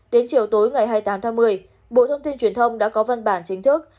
đến chiều tối ngày hai mươi tám tháng một mươi bộ thông tin truyền thông đã có văn bản chính thức